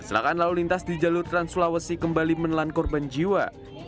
kecelakaan lalu lintas di jalur trans sulawesi kembali menelan korban jiwa